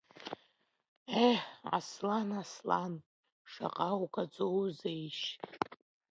Еҳ, Аслан, Аслан, шаҟа угаӡоузеишь.